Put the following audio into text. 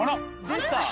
出た。